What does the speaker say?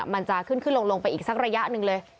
มันจะขึ้นขึ้นลงไปอีกสักระยะหนึ่งเลย